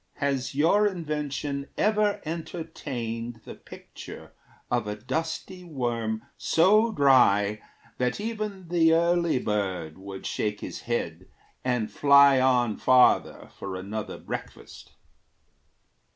Has your invention ever entertained The picture of a dusty worm so dry That even the early bird would shake his head And fly on farther for another breakfast?"